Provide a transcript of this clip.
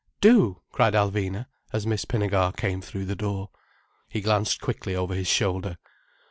"Do!" cried Alvina, as Miss Pinnegar came through the door. He glanced quickly over his shoulder.